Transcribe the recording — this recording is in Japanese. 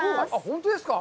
本当ですか？